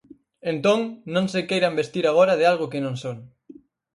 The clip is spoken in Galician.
Entón, non se queiran vestir agora de algo que non son.